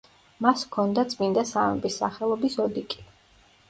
მას ჰქონდა წმინდა სამების სახელობის ოდიკი.